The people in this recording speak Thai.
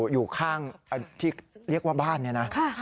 อยู่ข้างที่เรียกว่าบ้านเนี่ยนะ